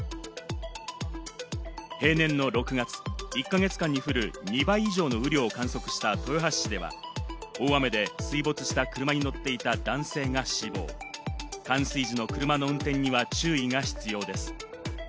平年の６月の１か月間に降る２倍以上の雨量を観測した豊橋市では大雨で水没した車に乗っていた男性が死亡、冠水時の車の運転には注意が必要です。